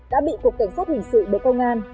đã bị cục cảnh sốt hình sự bởi công an